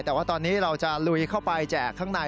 แต่ว่าตอนนี้เราจะลุยเข้าไปแจกข้างใน